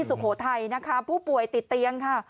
สุโขทัยนะคะผู้ป่วยติดเตียงค่ะ